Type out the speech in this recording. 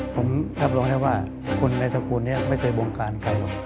ผมรับรองแนะว่าคนในสกูลนี้ไม่เคยวงการเค้า